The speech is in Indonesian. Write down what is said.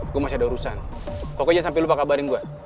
gue masih ada urusan pokoknya sampai lupa kabarin gue